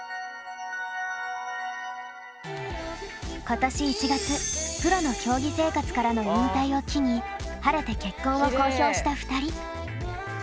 今年１月プロの競技生活からの引退を機に晴れて結婚を公表した２人。